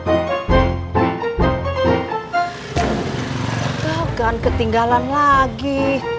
enggak akan ketinggalan lagi